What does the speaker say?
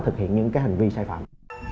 thực hiện những cái hành vi sai phạm